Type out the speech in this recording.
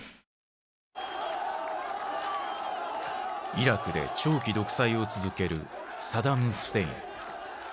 イラクで長期独裁を続けるサダム・フセイン。